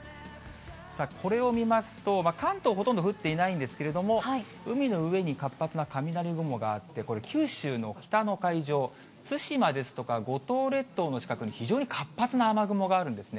さあ、これを見ますと、関東、ほとんど降っていないんですけれども、海の上に活発な雷雲があって、これ、九州の北の海上、対馬ですとか五島列島の近くに、非常に活発な雨雲があるんですね。